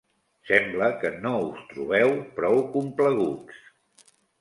Sembla que no us trobeu prou complaguts.